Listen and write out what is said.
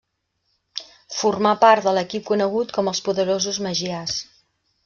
Formà part de l'equip conegut com els poderosos magiars.